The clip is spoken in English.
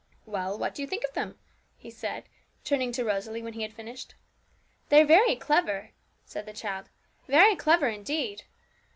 'Well, what do you think of them?' he said, turning to Rosalie when he had finished. 'They're very clever,' said the child 'very clever indeed!'